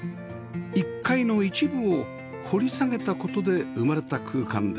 １階の一部を掘り下げた事で生まれた空間です